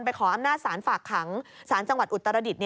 ไปขออำนาจศาสตร์ฝากขังศาลจังหวัดอุตรศัฏฐ์